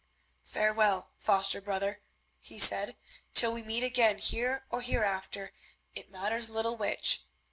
"Farewell, foster brother," he said, "till we meet again here or hereafter—it matters little which.